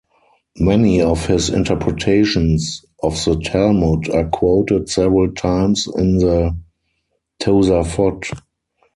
Many of his interpretations of the Talmud are quoted several times in the Tosafot.